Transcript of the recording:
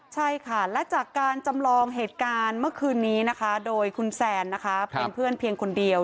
ใช่ค่ะและจากการจำลองเหตุการณ์เมื่อคืนนี้นะคะโดยคุณแซนนะคะเป็นเพื่อนเพียงคนเดียว